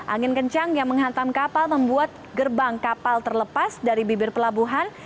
angin kencang yang menghantam kapal membuat gerbang kapal terlepas dari bibir pelabuhan